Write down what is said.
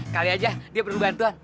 kali aja dia perlu bantuan